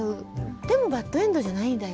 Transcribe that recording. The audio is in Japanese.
でもバッドエンドじゃないんだよ。